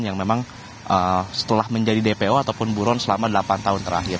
yang memang setelah menjadi dpo ataupun buron selama delapan tahun terakhir